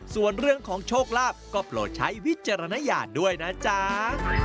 ส่วนเรื่องของโชคลาภก็โปรดใช้วิจารณญาณด้วยนะจ๊ะ